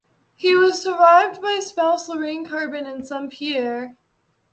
He was survived by spouse Lorraine Caron and son Pierre.